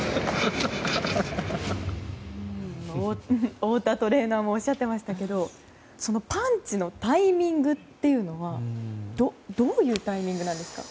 太田トレーナーもおっしゃっていましたけどパンチのタイミングというのはどういうタイミングなんですか。